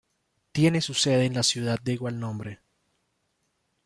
Tiene su sede en la ciudad de igual nombre.